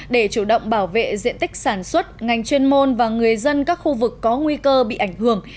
để chủ động bảo vệ diện tích sản xuất ngành chuyên môn và người dân các khu vực có nguy cơ bị ảnh hưởng